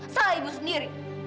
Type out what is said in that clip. salah ibu sendiri